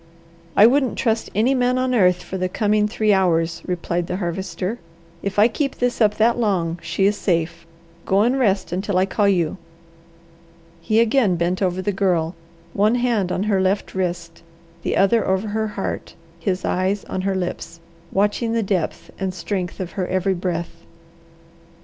"I wouldn't trust any man on earth, for the coming three hours," replied the Harvester. "If I keep this up that long, she is safe. Go and rest until I call you." He again bent over the Girl, one hand on her left wrist, the other over her heart, his eyes on her lips, watching the depth and strength of her every breath.